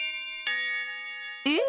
えっ？